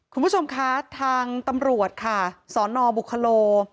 คุณผู้ชมคะทางตำรวจค่ะสนบุคโล